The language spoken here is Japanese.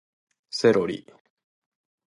セロリ